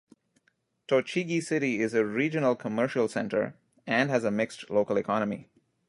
Tochigi city is a regional commercial center, and has a mixed local economy.